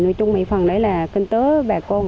nói chung mấy phần đấy là cân tớ bà con